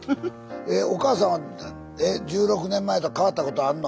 おかあさんは１６年前と変わったことあんの？